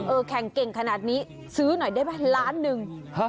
แข่งเก่งขนาดนี้ซื้อหน่อยได้ไหมล้านหนึ่ง